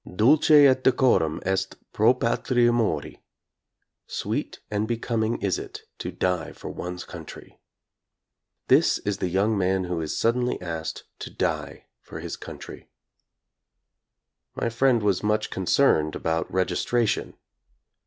Dulce et decorum est pro patria mori^ sweet and becoming is it to die for one's country. This is the young man who is suddenly asked to die for his country. My friend was much concerned about registration.